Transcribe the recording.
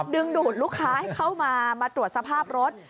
ดึงดูดลูกค้าให้เข้ามามาตรวจสภาพรถ